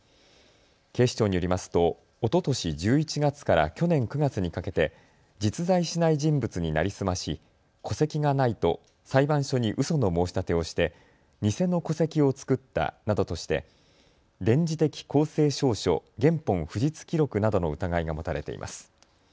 警視庁によりますとおととし１１月から去年９月にかけて実在しない人物に成り済まし戸籍がないと裁判所にうその申し立てをして偽の戸籍を作ったなどとして電磁的公正証書原本不実記録などの疑いが持たれています。